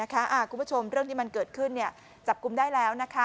คุณผู้ชมเรื่องที่มันเกิดขึ้นจับกลุ่มได้แล้ว